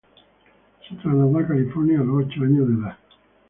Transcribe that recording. Se trasladó a California a los ocho años de edad.